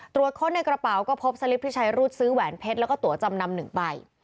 ตรวจค้นในกระเป๋าก็พบสลิปที่ใช้รูดซื้อแหวนเพชรแล้วก็ตัวจำนำ๑ใบ